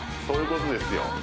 そういうことですよ